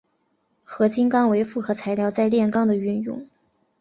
合金钢为复合材料在炼钢的运用。